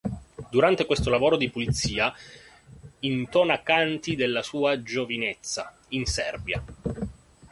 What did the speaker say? Durante questo lavoro di pulizia intona canti della sua giovinezza in Serbia.